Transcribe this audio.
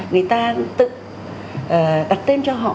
người ta tự đặt tên cho họ